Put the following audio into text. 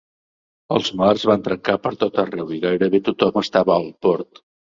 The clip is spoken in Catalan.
Els mars van trencar per tot arreu i gairebé tothom estava al port.